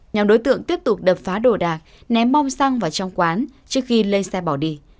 nhóm đối tượng tiếp tục đập phá đồ đạc ném bom xăng vào trong quán trước khi lên xe bỏ đi